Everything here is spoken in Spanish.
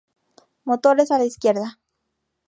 Motores a la izquierda!